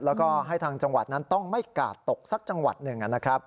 แล้วก็ให้ทางจังหวัดนั้นต้องไม่กาดตกสักจังหวัดหนึ่งนะครับ